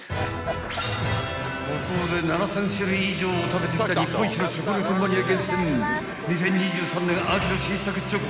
［ここで７，０００種類以上を食べてきた日本一のチョコレートマニア厳選２０２３年秋の新作チョコ